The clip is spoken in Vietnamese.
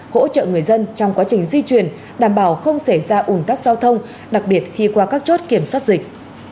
hỗ trợ người dân trong quá trình di chuyển đảm bảo không xảy ra ủn tắc giao thông đặc biệt khi qua các chốt kiểm soát dịch